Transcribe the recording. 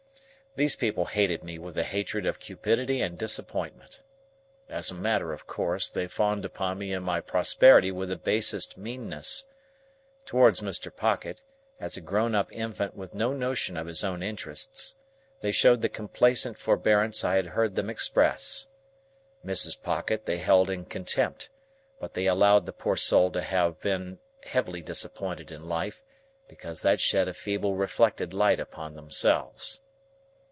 These people hated me with the hatred of cupidity and disappointment. As a matter of course, they fawned upon me in my prosperity with the basest meanness. Towards Mr. Pocket, as a grown up infant with no notion of his own interests, they showed the complacent forbearance I had heard them express. Mrs. Pocket they held in contempt; but they allowed the poor soul to have been heavily disappointed in life, because that shed a feeble reflected light upon themselves.